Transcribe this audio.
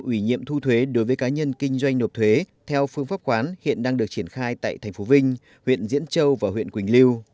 ủy nhiệm thu thuế đối với cá nhân kinh doanh nộp thuế theo phương pháp khoán hiện đang được triển khai tại tp vinh huyện diễn châu và huyện quỳnh lưu